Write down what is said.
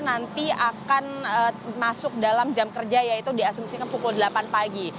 nanti akan masuk dalam jam kerja yaitu diasumsikan pukul delapan pagi